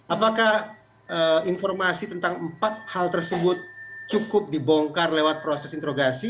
apakah informasi tentang empat hal tersebut cukup dibongkar lewat proses interogasi